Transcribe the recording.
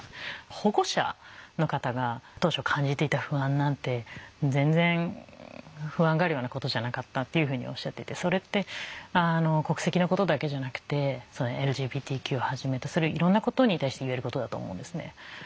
保護者の方が当初感じていた不安なんて全然不安がるようなことじゃなかったっていうふうにおっしゃっていてそれって国籍のことだけじゃなくてＬＧＢＴＱをはじめとするいろんなことに対して言えることだと思うんですね。